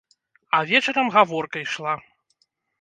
А вечарам гаворка ішла.